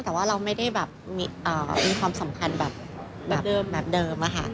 แต่ว่าเราไม่ได้มีความสำคัญแบบเดิมค่ะ